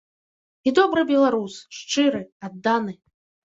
І добры беларус, шчыры, адданы.